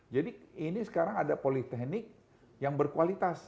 jadi ini sekarang ada politeknik yang berkualitas